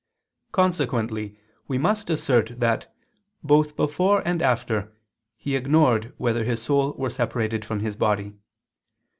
Consequently we must assert that both before and after he ignored whether his soul were separated from his body.